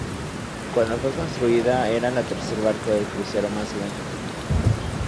Cuando fue construido era el tercer barco de crucero más grande del mundo.